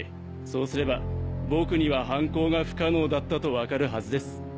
そうすれば僕には犯行が不可能だったとわかるはずです。